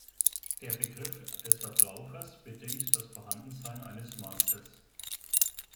Der Begriff des Verbrauchers bedingt das Vorhandensein eines Marktes.